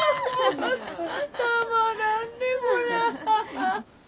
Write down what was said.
たまらんねこりゃ。